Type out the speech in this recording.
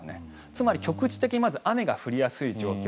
つまり局地的に雨が降りやすい状況。